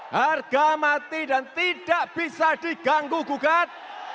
harga mati dan tidak bisa diganggu gugat